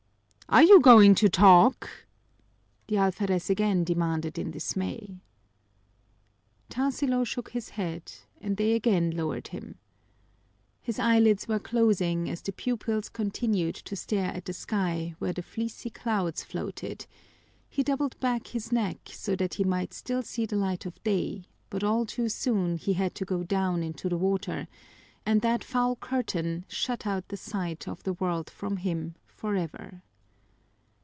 "Are you going to talk?" the alferez again demanded in dismay. Tarsilo shook his head, and they again lowered him. His eyelids were closing as the pupils continued to stare at the sky where the fleecy clouds floated; he doubled back his neck so that he might still see the light of day, but all too soon he had to go down into the water, and that foul curtain shut out the sight of the world from him forever.